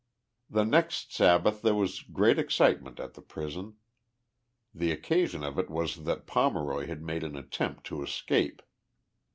The next Sabbath there was great excitement at the prison. The occasion of it was that Pomeroy had made an attempt to escape.